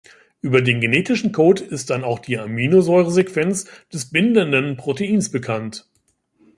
Über den genetischen Code ist dann auch die Aminosäuresequenz des bindenden Proteins bekannt.